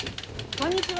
こんにちは。